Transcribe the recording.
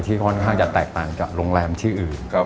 ค่อนข้างจะแตกต่างกับโรงแรมชื่ออื่น